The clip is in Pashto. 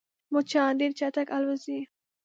مچان ډېر چټک الوزي